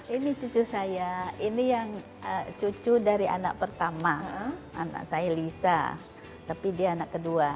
ini cucu saya ini yang cucu dari anak pertama anak saya lisa tapi dia anak kedua